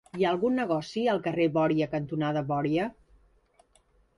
Hi ha algun negoci al carrer Bòria cantonada Bòria?